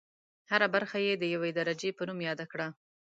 هره برخه یې د یوې درجې په نوم یاده کړه.